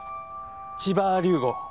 千葉竜吾。